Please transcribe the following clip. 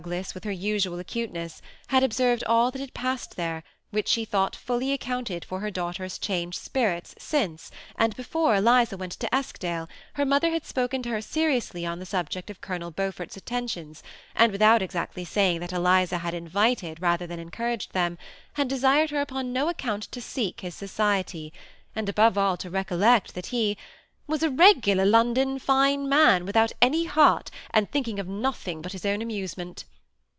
849 las, witb her usual acuteness, had observed all that had passed there, which she thought fully accounted for her daughter's changed spirits since, — and before Eliza went to Eskdale, her mother had spoken to her serious ly on the subject of Colonel Beaufort's attentions, and without exactly saying, that Eliza had invited, rather than encouraged them, had desired her upon no account to seek his society ; and, above all, to recollect that he ''was a regular London fine man, without any heart, and thinking of nothing but his own amusement."